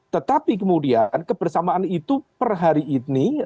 tetapi kemudian kebersamaan itu per hari ini waktu itu situasi dikabarkan